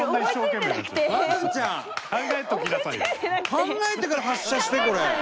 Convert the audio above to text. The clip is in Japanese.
考えてから発車してこれ。